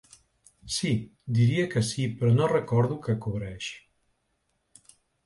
Sí, diria que sí però no recordo que cobreix.